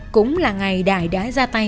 cũng là ngày đài đã ra tay